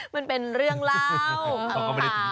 มันเป็นเรื่องเหล้า